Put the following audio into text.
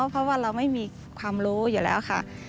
เพราะว่าเราไม่มีความรู้อยู่แล้วค่ะ